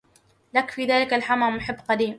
لك في ذا الحمى محب قديم